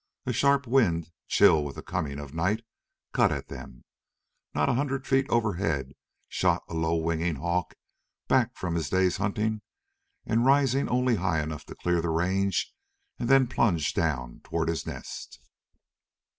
A sharp wind, chill with the coming of night, cut at them. Not a hundred feet overhead shot a low winging hawk back from his day's hunting and rising only high enough to clear the range and then plunge down toward his nest.